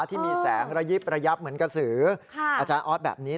ที่มีแสงระยิบระยับเหมือนกระสืออาจารย์ออสแบบนี้